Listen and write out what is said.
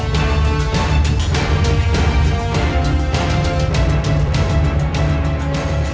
โปรดติดตามตอนต่อไป